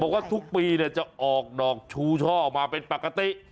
บอกว่าทุกปีเนี่ยจะเอาออกดอกชูช่อออกมาเป็นประกัติ